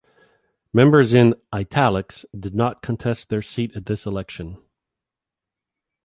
Members in "italics" did not contest their seat at this election.